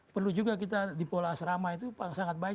perlu juga kita di pola asrama itu sangat baik